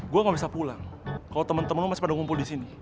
gue gak bisa pulang kalo temen temen lo masih pada ngumpul disini